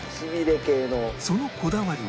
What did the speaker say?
そのこだわりは